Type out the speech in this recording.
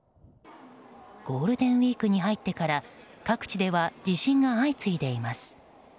ゴールデンウィークに入ってから各地では地震が相次いでいます。